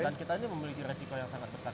dan kita ini memiliki resiko yang sangat besar